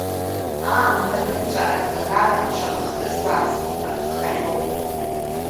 Аамҭа нымҵәа аӡлагара, шаҟа хҭыс бааԥс арххахьоу…